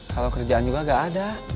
kalau kerjaan juga gak ada